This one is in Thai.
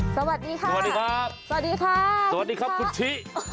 สวัสดีค่ะสวัสดีครับสวัสดีค่ะสวัสดีครับคุณชิ